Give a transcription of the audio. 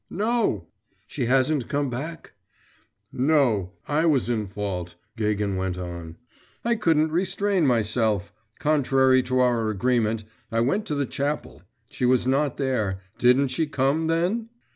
'No.' 'She hasn't come back?' 'No. I was in fault,' Gagin went on. 'I couldn't restrain myself. Contrary to our agreement, I went to the chapel; she was not there; didn't she come, then?